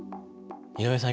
井上さん